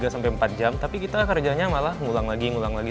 tiga sampai empat jam tapi kita kerjanya malah ngulang lagi ngulang lagi